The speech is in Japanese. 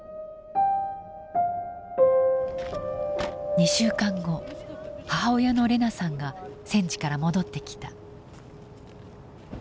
２週間後母親のレナさんが戦地から戻ってきた。